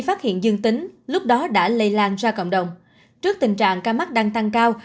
phát hiện dương tính lúc đó đã lây lan ra cộng đồng trước tình trạng ca mắc đang tăng cao